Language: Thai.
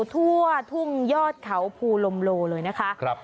ทั่วทุ่งยอดเขาภูลมโลเลยนะคะ